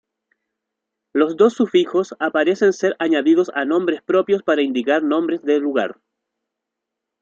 Los dos sufijos aparecen ser añadidos a nombres propios para indicar nombres de lugar.